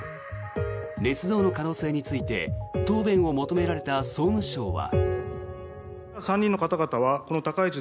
ねつ造の可能性について答弁を求められた総務省は。